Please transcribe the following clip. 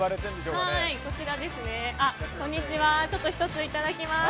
こんにちは、１ついただきます。